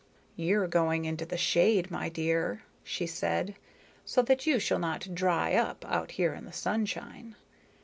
"You're going into the shade, my dear," she said, "so that you shall not dry up out here in the sunshine.